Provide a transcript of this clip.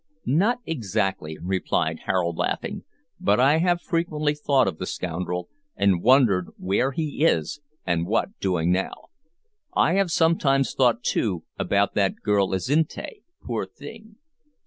"Not exactly," replied Harold, laughing; "but I have frequently thought of the scoundrel, and wondered where he is and what doing now. I have sometimes thought too, about that girl Azinte, poor thing.